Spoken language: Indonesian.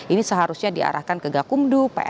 ini seharusnya diarahkan ke gakumdu